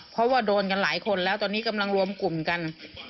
เพราะว่าโดนกันหลายคนแล้วตอนนี้กำลังรวมกลุ่มกัน